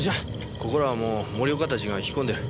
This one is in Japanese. ここらはもう森岡たちが聞き込んでる。